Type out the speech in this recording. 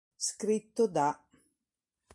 Scritto da.